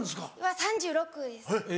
３６です。